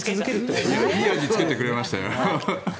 いい味つけてくれましたよ。